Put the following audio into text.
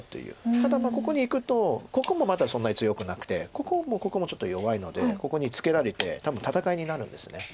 ただここにいくとここもまだそんなに強くなくてここもここもちょっと弱いのでここにツケられて多分戦いになるんです。